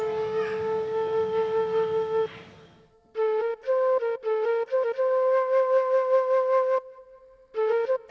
yang lebih mudah